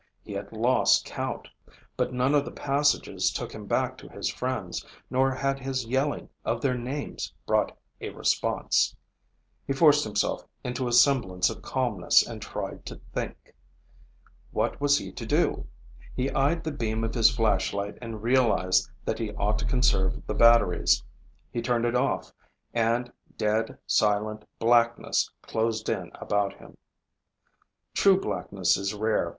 He had lost count. But none of the passages took him back to his friends, nor had his yelling of their names brought a response. He forced himself into a semblance of calmness and tried to think. What was he to do? He eyed the beam of his flashlight and realized that he ought to conserve the batteries. He turned it off, and dead, silent blackness closed in about him. True blackness is rare.